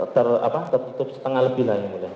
tertutup setengah lebih lah yang mulia